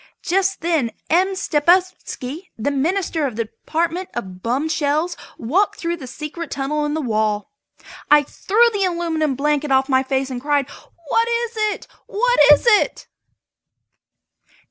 Just then M. Stepupski, the Minister of the Department of Bum Shells, walked in through the secret tunnel in the wall. I threw the aluminum blanket off my face and cried: "What is it? What is it?"